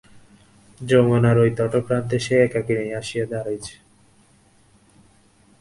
যমুনার ঐ তটপ্রান্তে সে একাকিনী আসিয়া দাঁড়াইয়াছে।